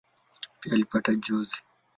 Pia alipata njozi.